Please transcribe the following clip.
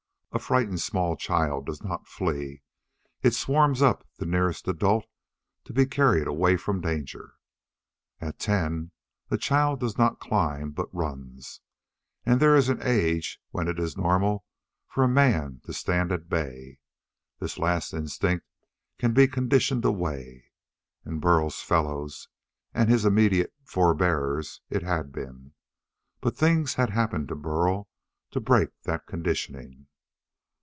A frightened small child does not flee; it swarms up the nearest adult to be carried away from danger. At ten a child does not climb but runs. And there is an age when it is normal for a man to stand at bay. This last instinct can be conditioned away. In Burl's fellows and his immediate forbears it had been. But things had happened to Burl to break that conditioning.